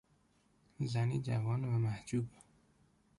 زنی جوان و محجوب